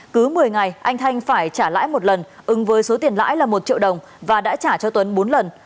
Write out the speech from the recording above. cứ một mươi ngày anh thanh phải trả lãi một lần ứng với số tiền lãi là một triệu đồng và đã trả cho tuấn bốn lần